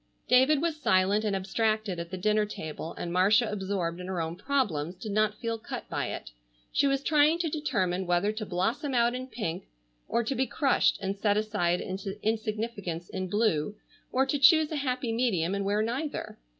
David was silent and abstracted at the dinner table, and Marcia absorbed in her own problems did not feel cut by it. She was trying to determine whether to blossom out in pink, or to be crushed and set aside into insignificance in blue, or to choose a happy medium and wear neither.